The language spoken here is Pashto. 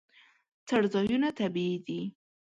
څړځایونه طبیعي دي.